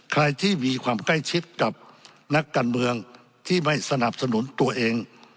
ใครที่มีความใกล้ชิดกับนักการเมืองที่ไม่สนับสนุนตัวเอง